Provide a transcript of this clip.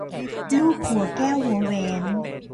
ลูกหัวแก้วหัวแหวน